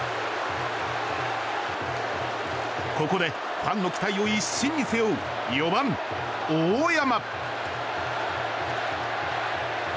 ここでファンの期待を一身に背負う４番、大山。